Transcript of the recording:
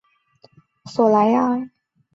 索莱亚。